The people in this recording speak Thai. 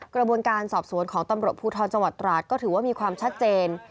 กระบวนการสอบสวนของตำรวจพตรก็ถือว่ามีความชัดเจน